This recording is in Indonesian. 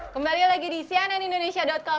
kembali lagi di siani indonesia com